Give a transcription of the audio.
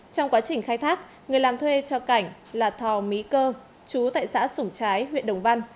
trong quá trình khai thác người làm thuê cho cảnh là thò mỹ cơ chú tại xã sủng trái huyện đồng văn